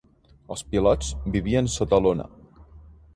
Els pilots vivien sota lona.